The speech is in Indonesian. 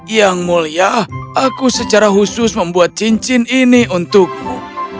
yang mulia aku secara khusus membuat cincin ini untukmu